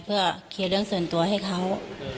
เพื่อเคลียร์เรื่องส่วนตัวให้เขา